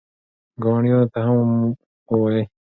ګاونډیانو ته هم ووایئ.